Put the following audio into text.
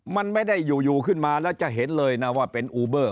มันไม่ได้อยู่ขึ้นมาแล้วจะเห็นเลยนะว่าเป็นอูเบอร์